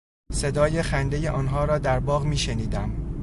صدای خندهی آنها را در باغ میشنیدم.